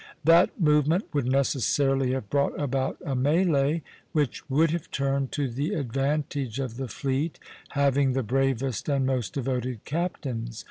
That movement would necessarily have brought about a mêlée, which would have turned to the advantage of the fleet having the bravest and most devoted captains.